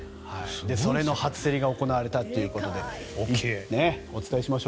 それの初競りが行われたということでお伝えしましょう。